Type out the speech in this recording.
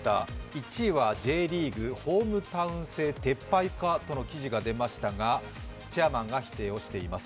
１位はＪリーグ、ホームタウン制撤廃かという記事が出ましたがチェアマンが否定しています。